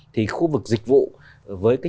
thì khu vực dịch vụ với cái